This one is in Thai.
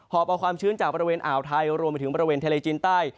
อบเอาความชื้นจากบริเวณอ่าวไทยรวมไปถึงบริเวณทะเลจีนใต้